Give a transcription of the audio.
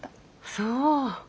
そう。